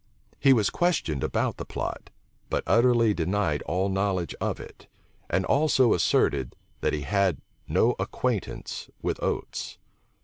He was questioned about the plot; but utterly denied all knowledge of it, and also asserted, that he had no acquaintance with Oates.